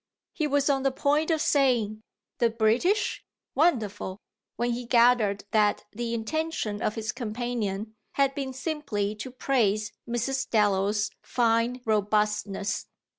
He was on the point of saying, "The British? Wonderful!" when he gathered that the intention of his companion had been simply to praise Mrs. Dallow's fine robustness.